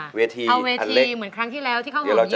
เอาเวทีเหมือนครั้งที่แล้วที่ข้าวหอมยืนนะ